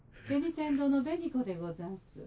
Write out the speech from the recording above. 天堂の紅子でござんす。